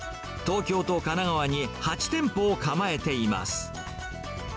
東京と神奈川に８店舗を構えています。